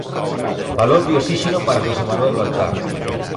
Balón de osíxeno para José Manuel Baltar.